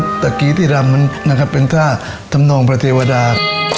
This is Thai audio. สักครู่ที่รำมันนะครับเป็นท่าธรรมนองพระเทวดา